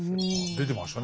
出てましたね。